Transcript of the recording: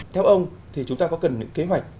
theo ông thì chúng ta có cần những kế hoạch